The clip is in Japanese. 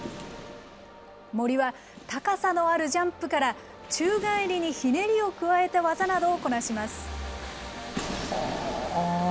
森は高さのあるジャンプから、宙返りにひねりを加えた技などをこなします。